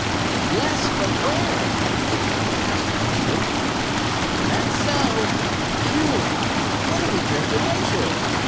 "Yes, but where?" Dave asked quickly. "That's so. Whew! What have we drifted into?"